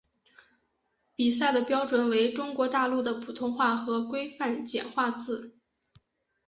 比赛的标准为中国大陆的普通话和规范简化字。